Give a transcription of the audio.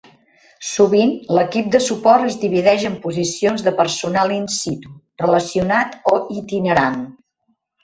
Sovint, l'equip de suport es divideix en posicions de personal in situ, relacionat o itinerant.